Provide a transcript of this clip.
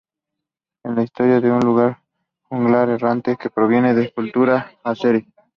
Es la historia de un juglar errante que proviene de la cultura azerí.